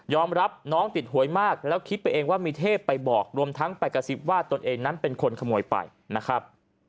รับน้องติดหวยมากแล้วคิดไปเองว่ามีเทพไปบอกรวมทั้งไปกระซิบว่าตนเองนั้นเป็นคนขโมยไปนะครับ